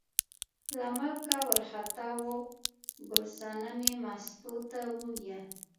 له ملکه وار خطا و، ګل صنمې مستو ته وویل.